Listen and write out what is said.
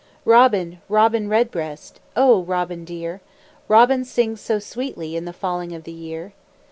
Robin, Robin Redbreast, O Robin dear! Robin sings so sweetly In the falling of the year.